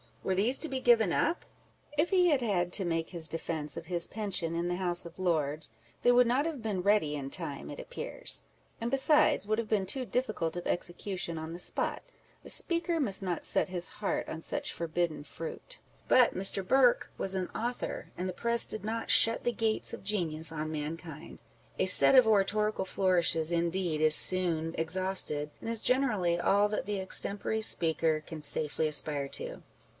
Were these to be given up ? If he had had to make his defence of his pension in the House of Lords, they would not have been ready in time, it appears ; and, besides, would have been too difficult of execution on the spot : a speaker must not set his heart on such for bidden fruit. But Mr. Burke was an author, and the press did not " shut the gates of genius on mankind." A set of oratorical flourishes, indeed, is soon exhausted, and is generally all that the extempore speaker can safely aspire to.